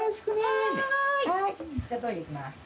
じゃあトイレ行きます。